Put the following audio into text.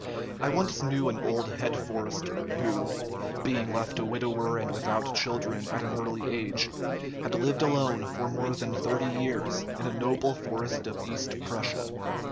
I once knew an old head forester, who, being left a widower and without children at an early age, had lived alone for more than thirty years in a noble forest of East Prussia.